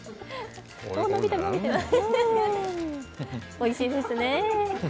おいしいですね。